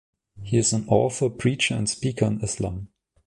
He is an author, preacher and speaker on Islam.